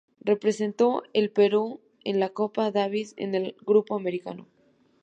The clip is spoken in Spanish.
Representó al Perú en la Copa Davis en el grupo americano.